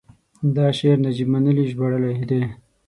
دا شعر نجیب منلي ژباړلی دی: